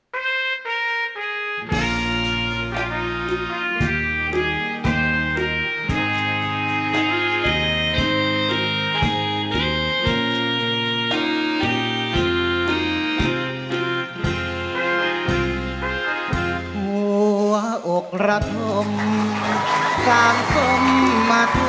ที่๖เพลงมาครับคุณคุณสำหรับของสาวบุญชีสร้างชีพรรดิไขมีภาพร่อม